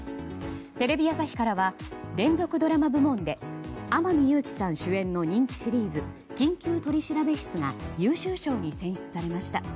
テレビ朝日からは連続ドラマ部門で天海祐希さん主演の人気シリーズ「緊急取調室」が優秀賞に選出されました。